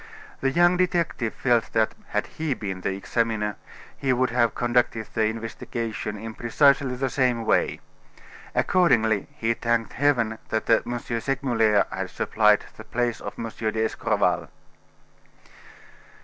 The young detective felt that, had he been the examiner, he would have conducted the investigation in precisely the same way. Accordingly, he thanked heaven that M. Segmuller had supplied the place of M. d'Escorval.